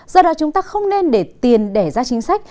do đó chúng ta không nên để tiền đẻ ra chính sách